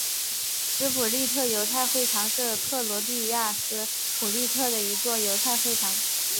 斯普利特犹太会堂是克罗地亚斯普利特的一座犹太会堂。